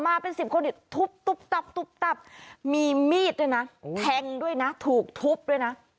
มาเป็น๑๐คนถูบตับตับมีมีดด้วยนะแท้งด้วยนะถูกทุบด้วยนะ